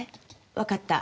わかった。